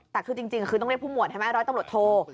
แต่คือจริงคือต้องเรียกผู้หมวดใช่ไหมร้อยตำรวจโท